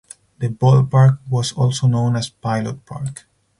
The ballpark was also known as Pilot Park.